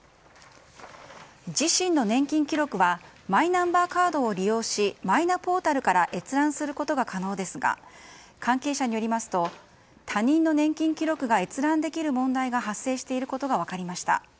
自身の年金記録はマイナンバーカードを利用しマイナポータルから閲覧することが可能ですが関係者によりますと他人の年金記録が閲覧できる問題が発生していることが分かりました。